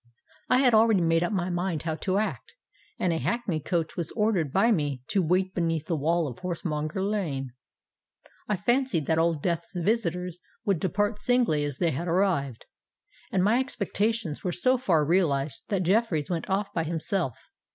I had already made up my mind how to act, and a hackney coach was ordered by me to wait beneath the wall of Horsemonger Lane. I fancied that Old Death's visitors would depart singly as they had arrived; and my expectations were so far realised that Jeffreys went off by himself.